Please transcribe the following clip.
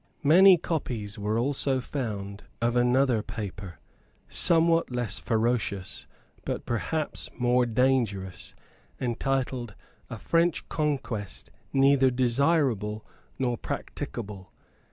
Many copies were also found of another paper, somewhat less ferocious but perhaps more dangerous, entitled A French Conquest neither desirable nor practicable.